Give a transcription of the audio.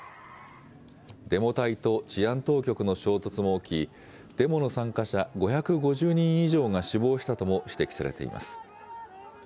デモ隊と治安当局の衝突も起き、デモの参加者５５０人以上が死亡したとも指摘されています。